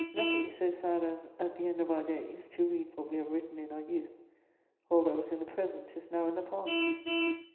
Nothing is so sad as, at the end of our days, to read what we have written in our youth: all that was in the present is now in the past.